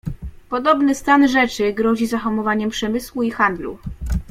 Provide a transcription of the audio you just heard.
"Podobny stan rzeczy grozi zahamowaniem przemysłu i handlu."